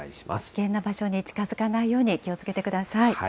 危険な場所に近づかないように、気をつけてください。